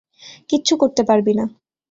কিচ্ছু করতে পারবি না।